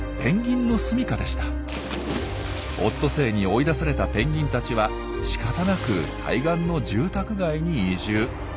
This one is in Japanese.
オットセイに追い出されたペンギンたちはしかたなく対岸の住宅街に移住。